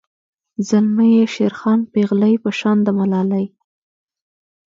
زلمي یی شیرخان پیغلۍ په شان د ملالۍ